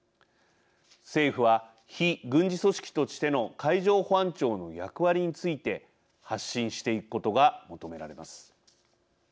政府は非軍事組織としての海上保安庁の役割について発信していくことが求められます。